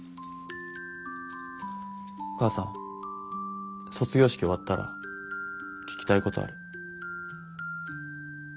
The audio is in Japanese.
母さん卒業式終わったら聞きたいことある。